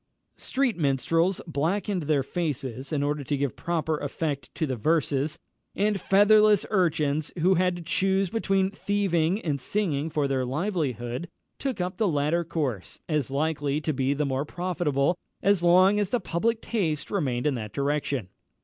Street minstrels blackened their faces in order to give proper effect to the verses; and fatherless urchins, who had to choose between thieving and singing for their livelihood, took the latter course, as likely to be the more profitable, as long as the public taste remained in that direction.